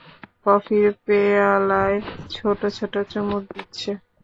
কফির পেয়ালায় ছোট ছোট চুমুক দিচ্ছে।